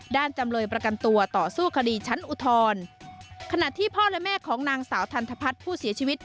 จำเลยประกันตัวต่อสู้คดีชั้นอุทธรณ์ขณะที่พ่อและแม่ของนางสาวทันทพัฒน์ผู้เสียชีวิต